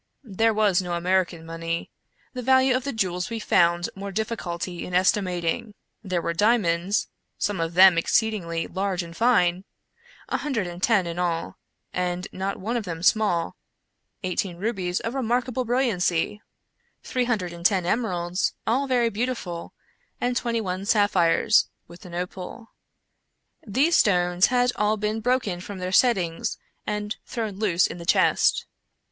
There was no American money. The value of the jewels we found more difficulty in estimating. There were diamonds — some of them exceedingly large and fine — a hundred and ten in all, and not one of them small ; eighteen rubies of remarkable brilliancy ;— three hundred and ten emeralds, all very beautiful ; and twenty one sapphires, with an opal. These stones had all been broken from their settings and thrown loose in the chest.